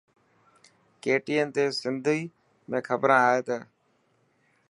KTN تي سنڌي ۾ کبران ائي تي.